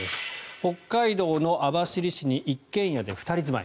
北海道の網走市に一軒家で２人住まい。